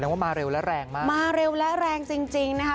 ว่ามาเร็วและแรงมากมาเร็วและแรงจริงจริงนะคะ